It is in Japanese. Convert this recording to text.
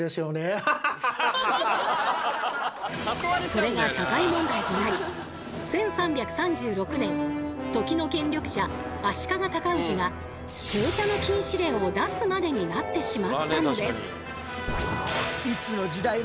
それが社会問題となり１３３６年時の権力者足利尊氏が闘茶の禁止令を出すまでになってしまったのです。